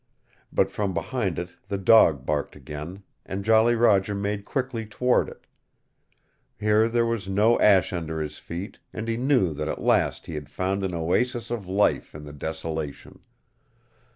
But from behind it the dog barked again, and Jolly Roger made quickly toward it. Here there was no ash under his feet, and he knew that at last he had found an oasis of life in the desolation.